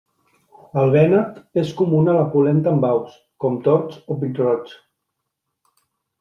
Al Vènet és comuna la polenta amb aus, com tords o pit-roigs.